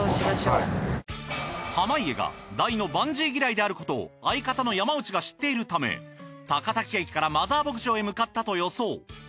濱家が大のバンジー嫌いであることを相方の山内が知っているため高滝駅からマザー牧場へ向かったと予想。